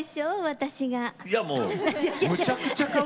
私が。